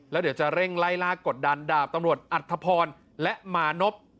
แล้วเดี๋ยวจะเร่งไล่ล่ากดดันดาบตำรวจอัธพรและมานพ